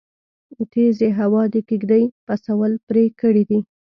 تيزې هوا د کيږدۍ پسول پرې کړی دی